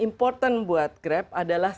important buat grab adalah